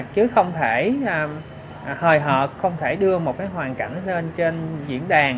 chứ không thể hời hợt không thể đưa một cái hoàn cảnh lên trên diễn đàn